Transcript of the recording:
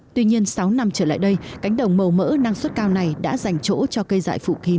tuy nhiên sáu năm trở lại đây cánh đồng màu mỡ năng suất cao này đã dành chỗ cho cây dại phụ kín